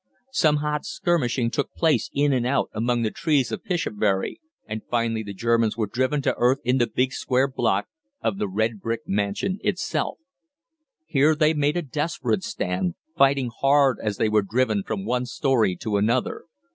Some hot skirmishing took place in and out among the trees of Pishobury, and finally the Germans were driven to earth in the big square block of the red brick mansion itself. Here they made a desperate stand, fighting hard as they were driven from one storey to another.